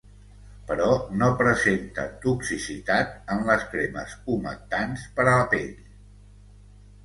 Però no presenta toxicitat en les cremes humectants per a pell.